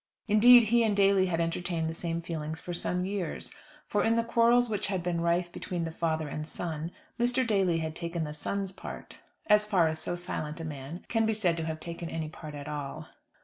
Indeed, he and Daly had entertained the same feelings for some years; for, in the quarrels which had been rife between the father and son, Mr. Daly had taken the son's part, as far as so silent a man can be said to have taken any part at all.